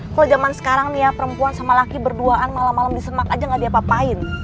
kalo jaman sekarang nih ya perempuan sama laki berduaan malam malam di semak aja gak diapapain